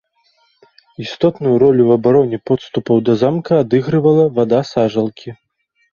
Істотную ролю ў абароне подступаў да замка адыгрывала вада сажалкі.